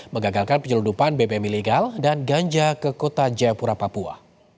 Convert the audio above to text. mengagalkan penyelundupan bbm ilegal dan ganja ke kota jayapura papua